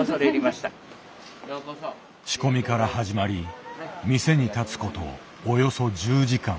仕込みから始まり店に立つことおよそ１０時間。